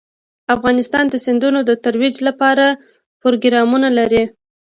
افغانستان د سیندونه د ترویج لپاره پروګرامونه لري.